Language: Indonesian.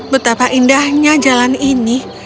betapa indahnya jalan ini